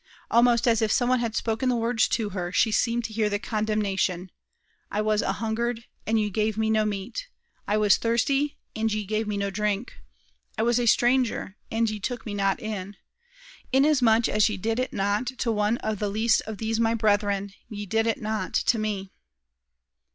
Almost as if some one had spoken the words to her, she seemed to hear the condemnation, "I was a hungered, and ye gave me no meat. I was thirsty, and ye gave me no drink. I was a stranger, and ye took me not in. Inasmuch as ye did it not to one of the least of these my brethren, ye did it not to me."